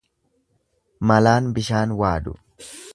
Malaan bishaan waadu.